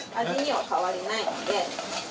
味には変わりないので。